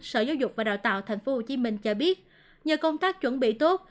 sở giáo dục và đào tạo tp hcm cho biết nhờ công tác chuẩn bị tốt